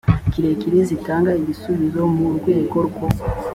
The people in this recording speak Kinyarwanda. kirekire zitanga igisubizo mu rwego rwo